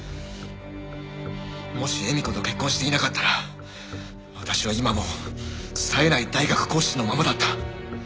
もし絵美子と結婚していなかったら私は今も冴えない大学講師のままだった。